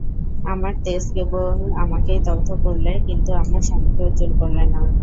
আমার তেজ কেবল আমাকেই দগ্ধ করলে, কিন্তু আমার স্বামীকে উজ্জ্বল করলে না।